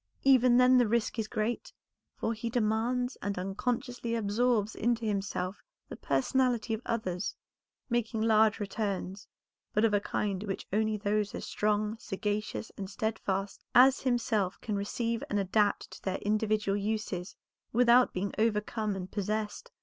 Even then the risk is great, for he demands and unconsciously absorbs into himself the personality of others, making large returns, but of a kind which only those as strong, sagacious, and steadfast as himself can receive and adapt to their individual uses, without being overcome and possessed.